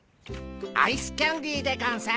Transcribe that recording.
アイスキャンデーでゴンス。